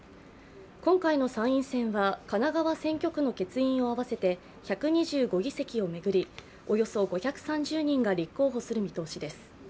今回の参院選は神奈川選挙区の欠員を合わせて１２５議席を巡り、およそ５３０人が立候補する見通しです。